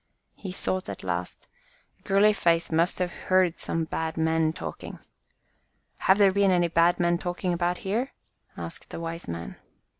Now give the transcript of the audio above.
He thought at last, "Girly face must have heard some bad men talking. Have there been any bad men talking about here?" asked the wise man.